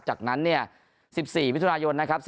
จากนั้น๑๔วิทยุนายนนะครับ